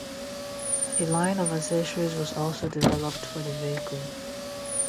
A line of accessories was also developed for the vehicle.